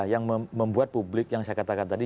yang membuat publik yang saya katakan tadi